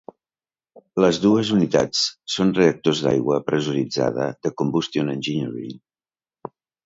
Les dues unitats són reactors d'aigua pressuritzada de Combustion Engineering.